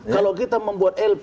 kalau kita membuat lp